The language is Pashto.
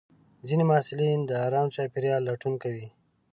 ځینې محصلین د ارام چاپېریال لټون کوي.